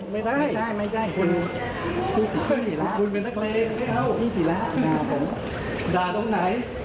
มา